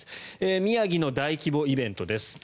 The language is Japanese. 宮城の大規模イベントです。